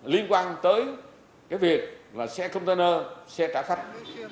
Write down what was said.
liên quan tới cái việc là xe container xe trả khách